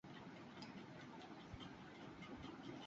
মানুষ ভাবস্বরূপ এবং ভাব ব্যতীত অন্য কিছুই অনুভব করিতে পারে না।